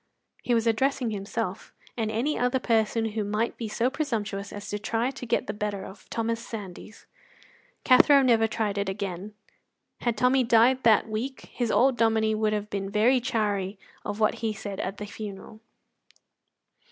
He was addressing himself and any other person who might be so presumptuous as to try to get the better of Thomas Sandys. Cathro never tried it again. Had Tommy died that week his old Dominie would have been very chary of what he said at the funeral.